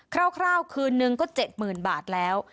ร่าวคืนนึงก็๗๐๐๐บาทแล้ว